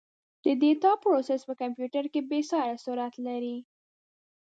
د ډیټا پروسس په کمپیوټر کې بېساري سرعت لري.